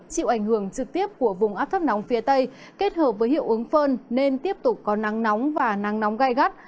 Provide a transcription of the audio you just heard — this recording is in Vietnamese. chịu ảnh hưởng trực tiếp của vùng áp thấp nóng phía tây kết hợp với hiệu ứng phơn nên tiếp tục có nắng nóng và nắng nóng gai gắt